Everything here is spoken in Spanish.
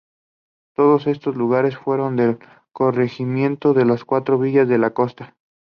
Todos estos lugares fueron del Corregimiento de las Cuatro Villas de la Costa.